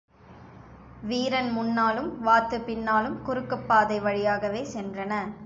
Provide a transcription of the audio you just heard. வீரன் முன்னாலும் வாத்து பின்னாலும் குறுக்குப்பாதை வழியாகவே சென்றன.